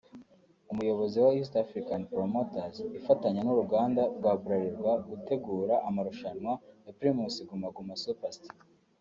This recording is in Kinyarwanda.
umuyobozi wa East African Promoters ifatanya n’uruganda rwa Bralirwa gutegura amarushanwa ya Primus Guma Guma Super Star